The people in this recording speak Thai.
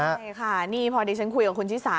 ใช่ค่ะนี่พอดีฉันคุยกับคุณชิสา